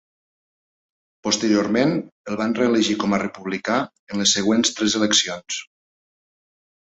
Posteriorment, el van reelegir com a republicà en les següents tres eleccions.